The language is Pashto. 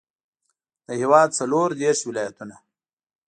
د هېواد څلوردېرش ولایتونه.